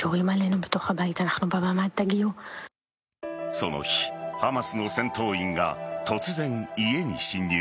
その日、ハマスの戦闘員が突然、家に侵入。